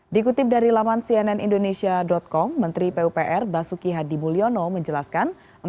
dikutip dari laman cnnindonesia com menteri pupr basuki hadi mulyono menjelaskan